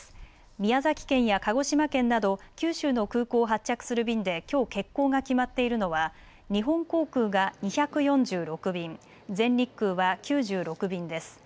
宮崎県や鹿児島県など九州の空港を発着する便できょう欠航が決まっているのは日本航空が２４６便、全日空は９６便です。